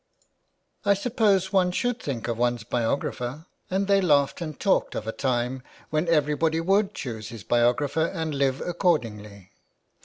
" I suppose one should think of one's biographer," and they laughed and talked of a time when everybody would choose his biographer and live accordingly.